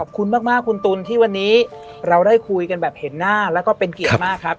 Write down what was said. ขอบคุณมากคุณตุ๋นที่วันนี้เราได้คุยกันแบบเห็นหน้าแล้วก็เป็นเกียรติมากครับ